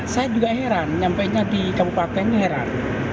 saya juga heran nyampainya di kabupaten heran